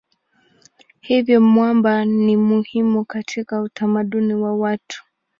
Hivyo mwamba ni muhimu katika utamaduni wa watu.